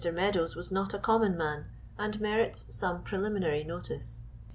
Meadows was not a common man, and merits some preliminary notice.